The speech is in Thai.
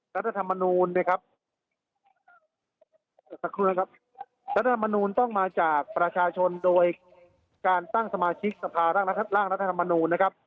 รัฐธรรมนูญนะครับรัฐธรรมนูญต้องมาจากประชาชนโดยการตั้งสมาชิกสภาร่างรัฐธรรมนูญนะครับ